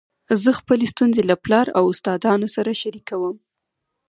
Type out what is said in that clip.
زه خپلي ستونزي له پلار او استادانو سره شریکوم.